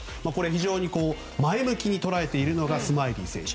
非常に前向きに捉えているのがスマイリー選手。